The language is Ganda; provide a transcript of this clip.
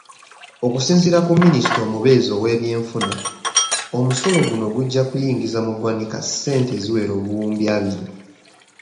Okusinziira ku Minisita omubeezi ow'ebyenfuna, omusolo guno gwakuyingiza mu ggwanika ssente eziwera obuwumbi abiri.